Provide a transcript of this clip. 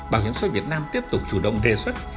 bảo hiểm xã hội việt nam tiếp tục chủ động đề xuất